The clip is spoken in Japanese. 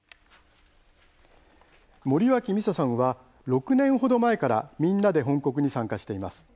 森脇美沙さんは６年程前から「みんなで翻刻」に参加しています。